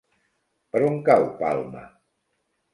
Per on cau Palma?